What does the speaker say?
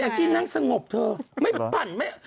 แอมซี่นั่งสงบเธอ